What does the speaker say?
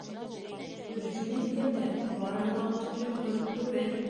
Дөрөҫөн әйткәндә, барыһы ла ул тиклем хөрт түгел.